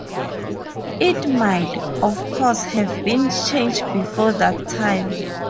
It might, of course, have been changed before that time.